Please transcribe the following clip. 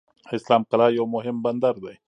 اسلام قلعه یو مهم بندر دی.